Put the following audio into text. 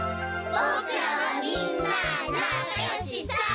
「ボクらはみんななかよしさ」